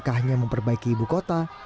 pembangunan yang memperbaiki ibu kota